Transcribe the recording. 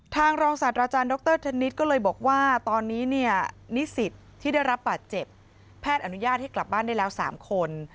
รองศาสตราจารย์ดรธนิษฐ์ก็เลยบอกว่าตอนนี้เนี่ยนิสิตที่ได้รับบาดเจ็บแพทย์อนุญาตให้กลับบ้านได้แล้ว๓คน